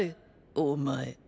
お前！